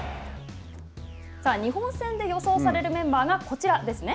日本戦で予想されるメンバーがこちらですね。